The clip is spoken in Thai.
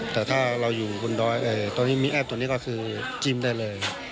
แต่ถ้าเราอยู่บนดอยตอนนี้มีแอปตัวนี้ก็คือจิ้มได้เลย